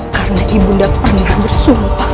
karena ibu nda pernah bersumpah